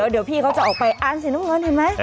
เดี๋ยวพี่เขาจะออกไปอ่านสีน้ำเงินเห็นไหม